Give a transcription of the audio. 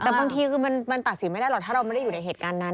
แต่บางทีคือมันตัดสินไม่ได้หรอกถ้าเราไม่ได้อยู่ในเหตุการณ์นั้น